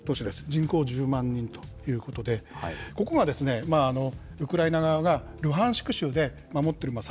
人口１０万人ということで、ここはウクライナ側がルハンシク州で持っております